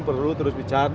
perlu terus bicara